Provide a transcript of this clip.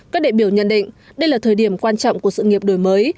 các đại biểu nhận định đây là thời điểm quan trọng của sự nghiệp đổi mới